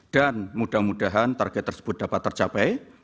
dan mudah mudahan target tersebut dapat tercapai